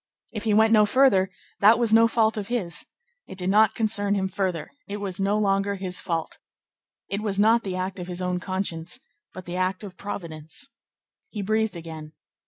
If he went no further, that was no fault of his. It did not concern him further. It was no longer his fault. It was not the act of his own conscience, but the act of Providence. He breathed again.